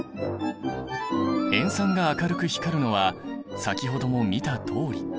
塩酸が明るく光るのは先ほども見たとおり。